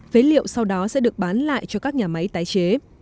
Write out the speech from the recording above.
phế liệu sau đó sẽ được bán lại cho các nhà máy tái chế